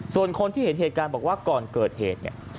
ส่วนคนที่เห็นเหตุการณ์บอกว่าก่อนเกิดเหตุเนี่ย